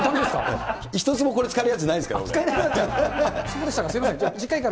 １つもこれ、使えるやつないですから。